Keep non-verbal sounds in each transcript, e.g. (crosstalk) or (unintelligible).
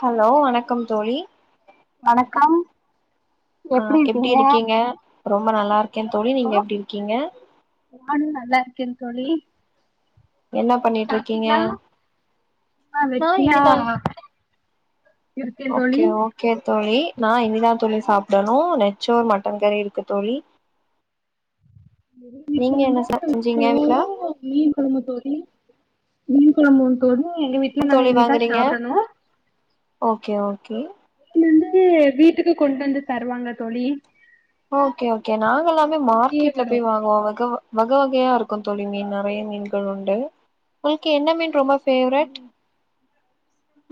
hello வணக்கம் தோழி வணக்கம் அ எப்டி இருக்கீங்க ரொம்ப நல்லாருக் கே தோழி இப்போ நீங்க எப்டி இருக்கீங்க கேன் தோழி என்ன பண்ணிட்டுருக்கீங்க சாப்ட்டீங்களா ஆ இனிதா இருக்கே தோழி ஓகே ஓகே தோழி நா இனிதா தோழி சாப்டணும் நெச்சோர் மட்டன் கறி இருக்கு தோழி வீட்ல நீங்க என்ன ச வந்து செஞ்சீங்க வீட்ல சோறும் மீன்கொழம்பு தோழி மீன் கொழம்பூ தோழி எங்க வீட்ல நாங்க தோழி இனிதா வாங்குறீங்க சாப்டணும் ஓகே ஓகே வந்து வீட்டுக்கு கொண்டந்து தருவாங்க தோழி ஓகே ஓகே நாங்க எல்லாமே இங்கயே மார்க்கெட்ல வரு போய் வாங்குவோ வகோ வக வகையாருக்கு தோழி மீன் நறைய மீன்கள் உண்டு உங்கள்க்கு என்ன மீன் ரொம்ப ஃபேவரெட்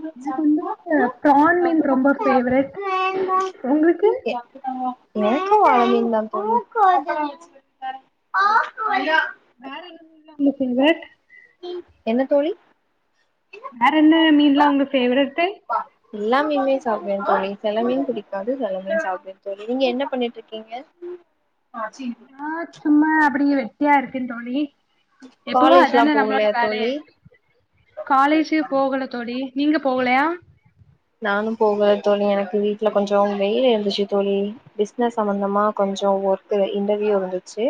ம் எனக்கு வந்து சாப்டுமா ம் ப்ரான் மீன் சாப்டுமா ரொம்ப கொஞ் சாப்டுமா ஃபேவரெட் ம் வேண்டா உங்களுக்கு ம் ஆ எ வேண்டா (unintelligible) (unintelligible) என்ன தோழி வேறன்ன மீன்லா உங்க ஃபேவரெட்டு எல்லாா மீன்மே சாப்டுவே தோழி செல மீன் புடிக்காது செல மீன் சாப்டுவேன் தோழி நீங்க என்ன பண்ணிட்ருக்கீங்க நா சும்மா அப்படி வெட்டியா இருக்கே தோழி எப்பவு காலேஜ்லா அதான நம்ளோட போகலையா வேலே தோழி காலேஜே போகல தோழி நீங்க போவ்லயா நானு போகல தோழி எனக்கு வீட்ல கொஞ்சொ மேல இருந்துச்சு தோழி பிஸ்னஸ் சம்பந்தமா கொஞ்ச கொஞ்சொ ஒர்க்கு இன்டர்வியூருந்துச்சு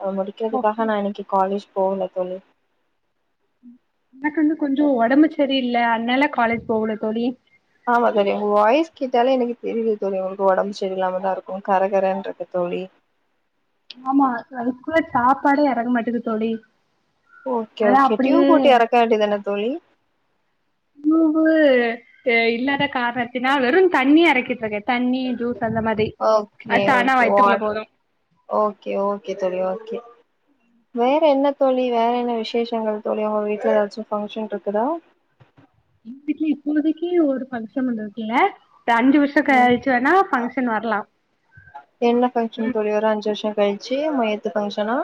அத முடிக்கிறதுக்காக அப்டி நா இன்னக்கி காலேஜ் போகல தோழி எனக்கு வந்து கொஞ்சொ ஒடம்பு செரியில்ல அதனால காலேஜ் போகல தோழி ஆமா தோழி உங்க வாய்ஸ் கேட்டாலே எனக்கு தெரிது தோழி ரொம்ப ஒடம்பு செரில்லாமதா இருக்கு கரகரன்றுக்கு தோ தோழி ஆமா அதுஅதுகுள்ள சாப்பாடே எறங்க மாட்டுது தோழி ஓகே அதா ஓகே டியூ அப்டியே போட்டு எறக்க வேண்டியதான தோழி டூபு அ இல்லாத காரணத்தினால் வெறும் தண்ணி அரைக்கெ தோழி தண்ணி ஜூஸ் அந்த மாதிரி ஓகே அது தானா ஓகே வயித்துக்குள்ள வாட்டர் போது ஓகே ஓகே தோழி ஓகே வேற என்ன தோழி வேற என்ன விசேஷங்கள் தோழி உங்க வீட்ல ஏதாச்சு ஃபங்க்ஷன் இருக்குதா எ வீட்டுல இப்போதைக்கு ஒரு ஃபங்க்ஷன் வந்ததுல்ல ந்த அஞ்சு வருஷொ ம் கழுச்சு வேனா ஃபங்க்ஷன் வரலா என்ன ஃபங்க்ஷன் தோழி ஒரு அஞ்சு வருஷோ கழிச்சு மயத்து பங்க்ஷனா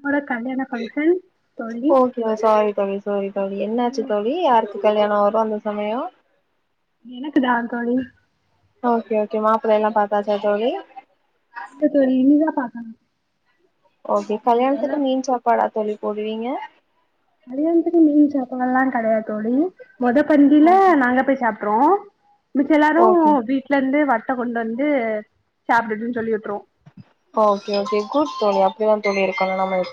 என்னோட கல்யாண ஃபங்க்ஷன் தோழி ஓகே சாரி தோழி சாரி தோழி என்னாச்சு தோழி யாருக்கு கல்யாண பந்த சமய எனக்கு தா தோழி ஓகே ஓகே மாப்பிள்ள எல்லா பாத்தாச்சா தோழி இல்ல தோழி இனிதா பாக்கணு ஓகே கல்யாணத்துக்கு மீன் சாப்பாடா தோழி போடுவீங்க கல்யாணத்துக்கு மீன் சாப்பால்லா கிடையாது தோழி மொத பந்தில நாங்க போய் சாப் ட்ருவோ மிச்ச எல்லாரு ஓகே வீட்டுல இருந்து வட்ட கொண்டு வந்து சாப்டுட்டுன்னு சொல்லி விட்ருவோ ஓகே ஓகே குட் தோழி அப்படிதா தோழி இருக்கணு நம்ம வீ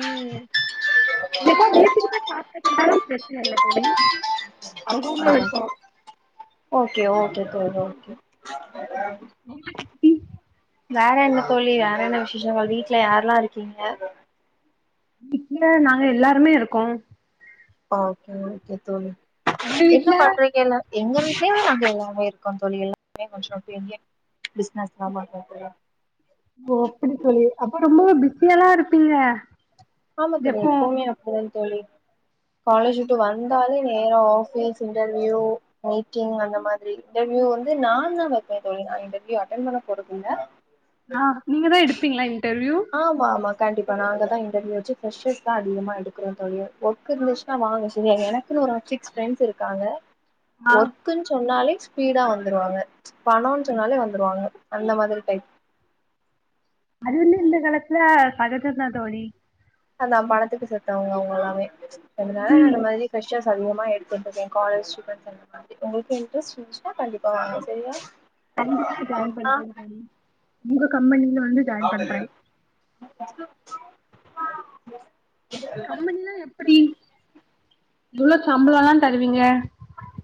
ம் இப்ப வீட்டுக்கு போய் சாப்ட்டுட் வந்தா வெச்சு நல்ல தோழி உங்க ஊர்ல ஆ இருக்கு ஓகே ஓகே தோழி வேற என்ன தோழி வேற என்ன விசேஷ உங்க வீட்டுல யார்லா இருக்கீங்க வீட்டுல நாங்க எல்லாருமே இருக்கோ ஓகே ஓகே தோழி உங்க என்ன வீட்ல பண்றீங்க எல்லா எங்க வீட்லயுமே நாங்க எல்லாமே இருக்கோ தோழி எல்லாமே கொஞ்சோ இப்பயே இங்கியே பிஸ்னஸ்லா பண்ரீங்களா ஓ அப்படி சொல்லி அப்ப ரொம்ப பிஸியால்லா இருப்பீங்க ஆமா தோழி எப்போ எப்பவுமே அப்டிதா தோழி காலேஜ் விட்டு வந்தாலே நேரா ஆஃபீஸ் இன்டர்வியூ மீட்டிங் அந்த மாதிரி இன்டர்வியூ வந்து நா தா வெப்பே தோழி நா இன்டர்வியூ அட்டன் பண்ண போறதில்ல அ நீங்க தா எடுப்பீங்களா இன்டர்வியூ ஆமா ஆமா கண்டிப்பாக நாங்க தா இன்டர்யூ வெச்சி ஃப்ரெஷஸ் தா அதிகமாக எடுக்குறோ‌ தோழி ஒர்க்கு இருந்துச்சின்னா வாங்க செரியா ஏன்னா ஒர்க்குல ஒரு (unintelligible) ஃப்ரெண்ட்ஸ் இருக்காங்க ஆ ஒர்குன் சொன்னாலே ஸ்பீடா வந்துருவாங்க பணோன் சொன்னாலே வந்துருவாங்க அந்த மாதிரி டைப் அது வந்து இந்த காலத்துல சகஜந்தா தோழி அதா பணத்துக்கு செத்தவங்க அவங்க எல்லாமே அதனால ம் அந்த மாதிரி ஃப்ரெஷ்ஷர்ஸ் அதிகமா எடுத்துன்ருக்கே காலேஜ் ஃப்ரெண்ட்ஸ் அந்த மாதிரி உங்களுக்கு இன்ட்ரெஸ்ட் இருஞ்சின்னா கண்டிப்பாங்க வாங்க செரியா கண்டிப்பா ஜாயின் பண்றே தோழி உங்க கம்பெனில வந்து ஜாயின் பண்றே எப்டி கம்பெனிலா எப்டி எவ்ளோ சம்பளல்லா தருவீங்க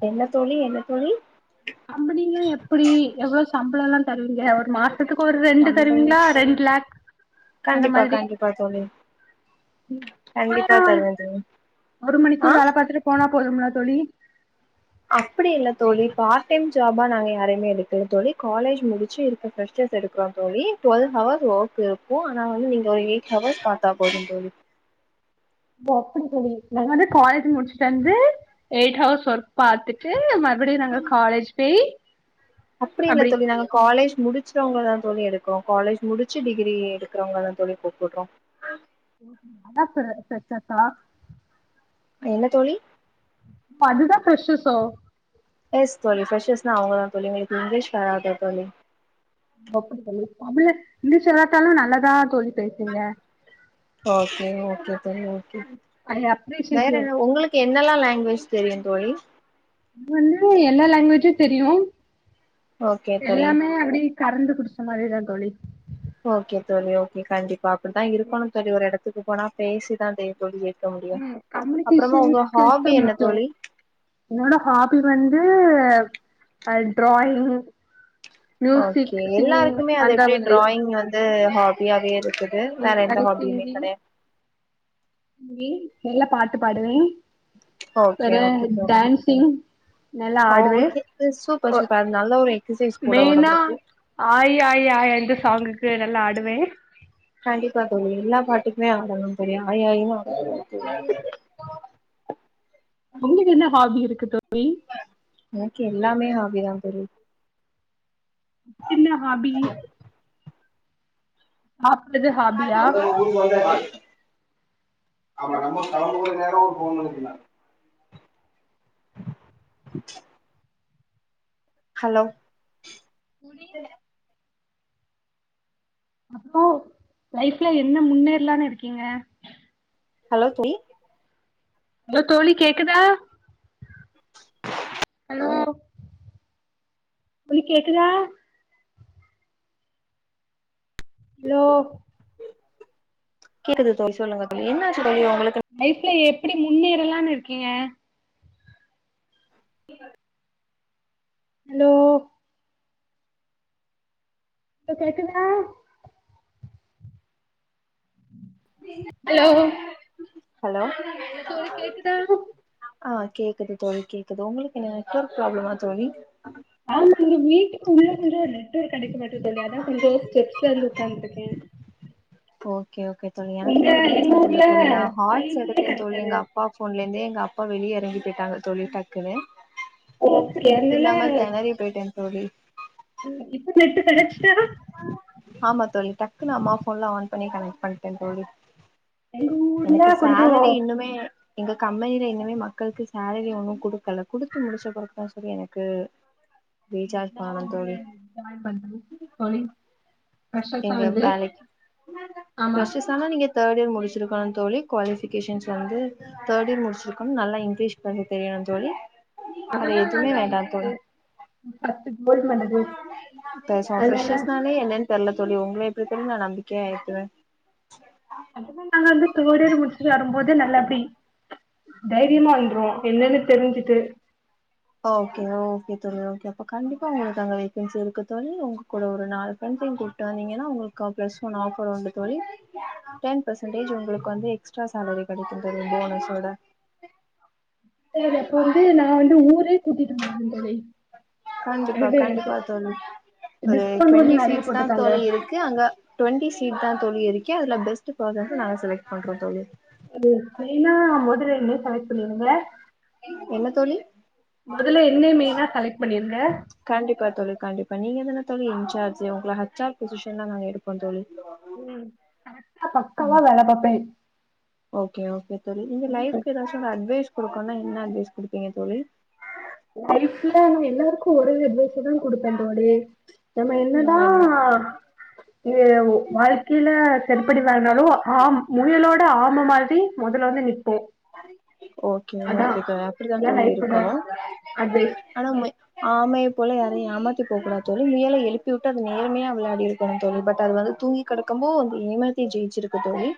என்ன தோழி என்ன தோழி கம்பெனில்லா எப்படி எவ்ளோ சம்பளோல்லா தர் ருவீங்க ஒரு மாசத்துக்கு ஒரு ரெண்டு கம்பெனி தருவீங்களா ரெண்டு லேக் அந்த கண்டிப்பா மாதிரி கண்டிப்பா தோழி கண்டிப்பா சுமைரா தருவே தோழி ஒரு ஆ மணிக்கு வேல பாத்துட்டு போனா போதும்லத் தோழி அப்படி இல்ல தோழி பார்ட் டைம் ஜாபா நாங்க யாரையுமே எடுக்கல தோழி காலேஜ் முடிச்சா இருக்க ஃப்ரெஷ்ஷர் ஸர்ஸ் எடுக்குறோ தோழி டுவல்வ் ஹவர்ஸ் ஒர்க் இருக்கு ஆனா வந்து நீங்க ஒரு எயிட் ஹவர்ஸ் பாத்தா போது தோழி ஒ அப்படி தோழி நா வந்து காலேஜ் முடிச்சிட்டு வந்து எய்ட் ஹவர்ஸ் ஒர்க் பாத்துட்டு மத் எப்படி நாங்க காலேஜ் பேய் அப்படி இல்ல அப்டி தோழி நாங்க காலேஜ் முடிச் சவங்கல்லா தோழி எடுக்குறோ காலேஜ் முடிச்சி டிகிரி எடுக்கறவங்கல்லா தோழி கூப்புட்றோ நான்ந்தா சொன்ன செர்செக்கா என்ன தோழி அதுதா ஃப்ரெஷ்ஷஸ்ஸோ எஸ் தோழி ஃப்ரெஷ்ஷனா அவங்க தா தோழி உங்களுக்கு இங்கிலீஷ் வராதோ தோழி (unintelligible) அப்பில்ல இங்லீஷ இல்லாத்தாலு நல்லதா தோழி பேசுவே ஓகே ஓகே தோழி ஓகே ஐ அப்ரிஷியேட் வேற யூ என்ன உங்களுக்கு என்னெல்லா லாங்குவேஜ் தெரியு தோழி இ வந்து எல்லா லேங்குவேஜு தெரியு ஓகே தோழி எல்லாமே அப்டி கறந்து குடிச்ச மாரிதா தோழி ஓகே தோழி ஓகே கண்டிப்பா அப்படித்தா இருக்கணும தோழி ஒரு எடத்துக்கு போனா பேசி தா தே தோழி இருக்முடியு ம் அப்புறமா கம்யூனிகேஷன் உங்க ஸ்கில்ஸ் தா ஹாபி என்ன முக்கியோ தோழி என்னோட ஹாபி வந்து அ டிராயிங் மியூசிக் ஓகே சிங்கிங் எல்லாருக்குமே அது அந்த எப்படி மாதிரி டிராயிங் வந்து ஹாபியாவே இருக்குது வேற எந்த ஹபிமே கெடையாத் மீன்ஸ் நல்ல் பாட்டு பாடுவே ஓகே ஓகே தோ டேன்சிங் ஓகோ தோ சூப்பர் சூப்பர் அது நல்ல ஒரு எக்சசைஸ் கூட ஒடம்புக்கு ஆய்யாய்யாய் இந்த சாங்குக்கு நல்லா ஆடுவே கண்டிப்பா தோழி எல்லா பாட்டுக்குமே ஆடணுந் தோழி ஆயி ஆயினு ஆடணுந் தோழி உங்ளுக்கு என்ன ஹாபி இருக்கு தோழி எனக்கு எல்லாமே ஹாபி தா தோழி சின்ன ஹாபி சாப்ட்றது ஹாபியா (unintelligible) (unintelligible) ஹலோ அப்புறோ லைஃப்ல என்ன முன்னேறலானு இருக்கீங்க ஹலோ தோழி ஹலோ தோழி கேக்குதா ஹலோ தோழி கேக்குதா ஹலோ கேக்குது தோழி சொல்லுங்க தோழி என்ன சொ லைஃப்ல எப்பிடி முன்னேறலான் இருக்கீங்க ஹலோ ப்ப கேக்குதா ஹலோ ஹலோ ஹலோ தோழி கேக்குதா ஆ கேக்குது தோழி கேக்குது உங்குளுக்கு நெட்வொர்க் ப்ராப்ளமா தோழி ஆ தோழி வீட்டுக்கு உள்ள (unintelligible) நெட்வொர்க் கெடக்கமாட்டுது தோழி அதா கொஞ்சோ ஸ்டெப்ஸ்ல வந்து உக்காந்திருக்கே போ ஓகே ஓகே தோழி எங்க எனக்குமே எங்க ரீசார்ஜ் இல்ல ஊர்ல தோழி நா ஃபைவ் ஹாட்ஸ் ஜியே எடுத்தே தோழி கெடைக்காது எங்க அப்பா போன்லந்து எங்க அ அப்பா வெளிய எறங்கி போயிட்டாங்க தோழி டக்குனு ஓகே நெட்டு இல்லாம தெணறி போயிட்டே தோழி ம் இப்ப நெட்டு கெடெச்சிச்சா ஆமா தோழி டக்குனு அம்மா ஃபோன்ல ஆன் பண்ணி கனெக் பண்ட்டே தோழி எங்க எனக்கு ஊர்ல சேலரி கொஞ்சோ இன்னுமே எங்க கம்பெனில இன்னுமே மக்கள்க்கு சேலரி ஒண்ணு குடுக்கல குடுத்து முடிச்ச பிறகுதா செரி எனக்கு ரீசார்ஜ் நா பண்ணணு வந்து தோழி ஜாயின் பண்றே தோழி ஃப்ரெஷர்ஸா எங்க வந்து வேலைக்க ஆமா ஃப்ரெஷ்ஷெஸ் ஆன நீங்க தேடியர் முடி த்துருக்கணு தோழி குவாலிஃபிகேஷன்ல வந்து தேடு இயர் முடிச்சிருக்கணு நல்லா இங்கிலீஷ் பேச தெரியணு தோழி வேற அதெல்லா எதுவுமே நாங்க வேண்டா வந்து தோழி (unintelligible) த ச அதனால ஃப்ரெஷ்ஷஸ்னாலே என்னன் தெர்ல தோழி உங்கள எப்டி தோழி நா நம்பிக்கையா ஏத்துவே அததா நாங்க வந்து தேடு இயர் முடிச்சுட்டு வரும்போதே நல்லா இப்டி தைரியமா வந்துருவோ என்னன்னு தெரிஞ்சுட்டு ஓகே ஓகே தோழி ஓகே அப்ப கண்டிப்பா உங்குளுக்கு அங்க வேக்கன்சி இருக்கு தோழி உங்க கூட ஒரு நாலு ஃப்ரண் ஸயு கூட்டு வந்தீங்கனா உங்குளுக்கு கா பிளஸ் ஒன் ஆஃபர் உண்டு தோழி டென் பசன்டேஜ் உங்குளுக்கு வந்து எக்ஸ் ட்ரா சேலரி கெடைக்குந் தோழி போனஸோட சேரி அப்ப வந்து நா வந்து ஊரே கூட்டிட்டு வந்தறேந் தோழி கண்டிப்பா இது கண்டிப்பா தோழி ஒரு டிஸ்கவுண்ட் வந்து டுவெண்ட்டி நெறைய சீட்ஸ் தா போட்டுருக்காங்க தோழி இருக்கு அங்க டுவெண்ட்டி சீட் தா தோழி இருக்கு அதுல பெஸ்ட் பர்சன்சஸ நாங்க செலக்ட் பண்றோ தோழி அது மெய்னா மொதல்ல என்னய செலெக்ட் பண்ணிருங்க என்ன தோழி மொதல்ல என்னை மெய்னா செலெக்ட் பண்ணிருங்க கண்டிப்பா தோழி கண்டிப்பா நீங்க தான தோழி இன்சார்ஜ் உங்க ஹெச் ஆர் பொசிஷன்ல நாங்க எடுப்போ தோழி ம் கரெக்ட்டா பக்கவா வேல பாப்பே ஓகே ஓகே தோழி நீங்க லைஃப்க்கு எதாச்சு அட்வைஸ் குடுக்கோனா என்ன அட்வைஸ் குட்ப்பீங்க தோழி லைஃப்ல நா எல்லார்க்கு ஒரே ஒரு அட்வைச தா குடுப்ப தோழி நம்ம என்னதா இது வாழ்க்கைல செருப்படி வாங்குனாலு ஆம் முயலோட ஆம மாதிரி மொதல்ல வந்து நிப்போ ஓகே அதா ஓகே தோழி அப்புடித்தா அதா தோழி லைஃபோட இருக்கனு அட்வைஸ் ஆனா மை ஆம இப்போ போல யாரையு ஏமாத்தி போ கூடாது தோழி முயல எழுப்பிவுட்டு அது நேர்மையா விளாடிருக்கனு தோழ பட் அது வந்து தூங்கி கடக்க போ வந்து ஏமாத்தி ஜெய்ச்சிருக்க தோழி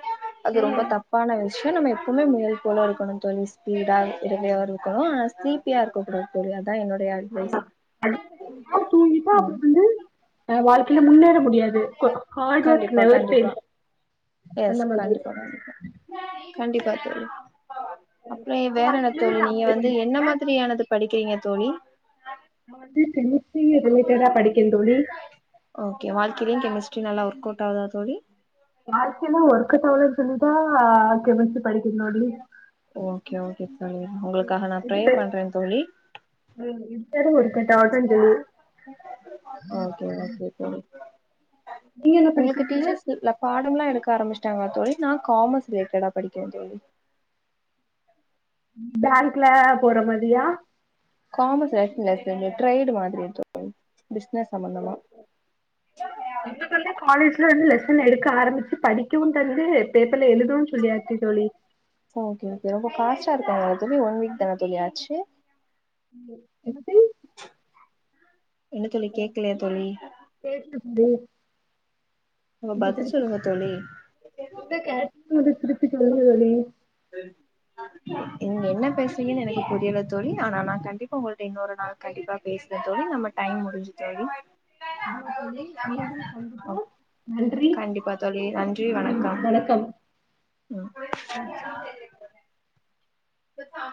அது ரொம்ப தப்பான விஷ்யோ நம்ம எப்போமே முயல் போல இருக்கணு தோழி ஸ்பீடா (unintelligible) இருக்கணு ஆனா சீப்பியா இருக்க கூடாது தோழி அதா என்னுடைய அட்வைஸ் நிப்பா அப்ப ம் பேரு அ வாழ்க்கைல முன்னேற முடியாது கோ ஹார்ட் ஒர்க் கண்டிப்பா நெவர் கண்டிப்பா பேல்ஸ் எஸ் கண்டிப்பா கண்டிப்பா கண்டிப்பா தோழி அப்றோ உங்க வேற என்ன வாழ்க்கையில தோழி இத நீங்க அப்ளை வந்து பண்ணிக்கோங்க என்ன மாத்ரியானது படிக்கிறீங்க தோழி நா வந்து டென்னி ஓகே வாழ்க்கேலேயு கெமஸ்ட்ரி நல்லா ஒர்க் அவுட் ஆவுதா தோழி வாழ்க்கைல ஒர்க்கவ்ட் ஆவல சொல்லி தா கெமஸ்டி படிக்க தோழி ஓகே ஒகே தோழி உங்ளுக்காக நா இது ப்ரே பண்றே தோழி ம் இருந்தாலு ஒர்க்கோட் அவுதா தோழி உங்ளுக்கு டீச்சர்ஸ் இர்ல பாட் டம்லா எடுக்க ஆரமிச்டாங்களா தோழி நா காமர்ஸ் ரிலேட்டடா படிக்க தோழி பேங்க்ல போற மாதியா காமர்ஸ் (unintelligible) இந்த ட்ரேட் மாதிரி தோழி ஒ எங்க சொல்லுற காலேஜ்ல வந்து லெஸ் சன் எடுக்க ஆரம்பிச்சு படிக்கவு தந்து பேப்பர்ல எழு ஆ ஓகே ஓகே ரொம்ப ஃபாஸ்ட்டா இருக்காங் தோழி ஒன் வீக் தான தோழி ஆச்சு எனிதிங் என்ன தோழி கேகலயா தோழி ம் நீங்க பதிச்சொல்லுங்க தோழி சொன்னத திருப்பி சொல்லுங்க தோழி நீங்க என்ன பேசுறீங்கன்னு எனனைக்கு புரியல தோழி ஆனா நா கண்டிப்பா உங்கள்கிட்ட இன்னொரு நாள் கண்டிப்பா பேச தோ தோழி நம்ம டைம் முடிஞ்சு தோழி ஆமா தோழி மீண்டும் சந்திப்போம் நன் கண்டிப்பா தோழி நன்றி வணக்கம் உம் தத்தா